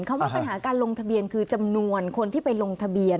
ว่าปัญหาการลงทะเบียนคือจำนวนคนที่ไปลงทะเบียน